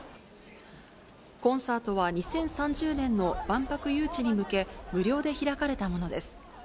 コンサートは２０３０年の万博誘致に向け、無料で開かれたものです。